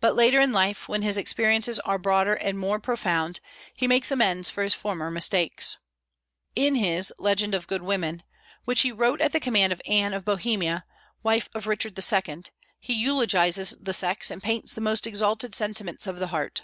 But later in life, when his experiences are broader and more profound, he makes amends for his former mistakes. In his "Legend of Good Women," which he wrote at the command of Anne of Bohemia, wife of Richard II., he eulogizes the sex and paints the most exalted sentiments of the heart.